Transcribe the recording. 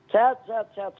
sehat sehat sehat